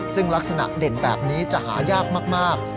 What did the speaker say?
ซึ่งลักษณะเด่นแบบนี้จะหายากมาก